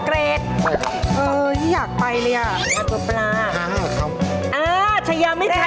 แล้วทำป้องสักใหญ่เลย